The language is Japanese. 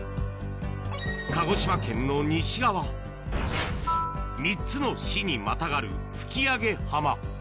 鹿児島県の西側、３つの市にまたがる吹上浜。